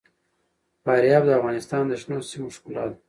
فاریاب د افغانستان د شنو سیمو ښکلا ده.